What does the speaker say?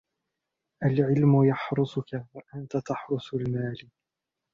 الْعِلْمُ يَحْرُسُك ، وَأَنْتَ تَحْرُسُ الْمَالِ